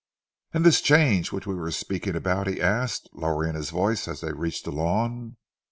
"And this change which we were speaking about?" he asked, lowering his voice as they reached the lawn.